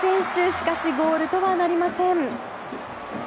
しかしゴールとはなりません。